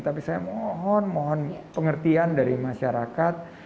tapi saya mohon mohon pengertian dari masyarakat